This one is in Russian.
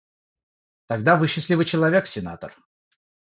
Тогда вы счастливый человек, сенатор.